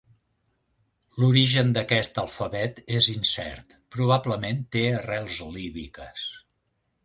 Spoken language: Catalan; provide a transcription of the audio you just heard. L'origen d'aquest alfabet és incert, probablement té arrels líbiques.